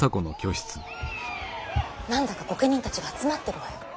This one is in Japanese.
何だか御家人たちが集まってるわよ。